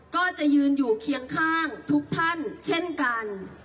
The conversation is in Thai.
ก็จะยืนอยู่เคียงข้างทุกท่านเช่นกัน